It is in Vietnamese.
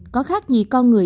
có khác gì con người